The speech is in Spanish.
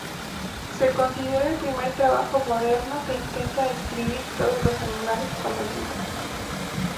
Se considera el primer trabajo moderno que intenta describir todos los animales conocidos.